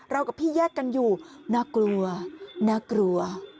เรากับพี่แยกกันอยู่น่ากลัว